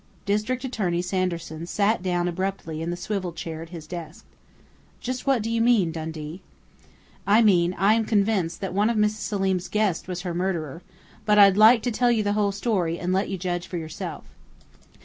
District Attorney Sanderson sat down abruptly in the swivel chair at his desk. "Just what do you mean, Dundee?" "I mean I am convinced that one of Mrs. Selim's guests was her murderer, but I'd like to tell you the whole story, and let you judge for yourself."